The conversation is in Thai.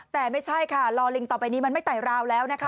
แต่ไม่ใช่ค่ะลอลิงต่อไปนี้มันไม่ไต่ราวแล้วนะคะ